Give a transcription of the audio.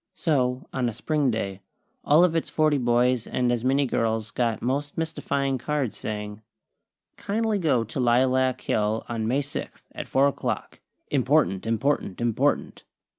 So, on a Spring day, all of its forty boys and as many girls got most mystifying cards, saying: "Kindly go to Lilac Hill on May sixth, at four o'clock. IMPORTANT! IMPORTANT! IMPORTANT!!"